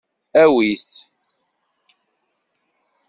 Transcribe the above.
Awi-t!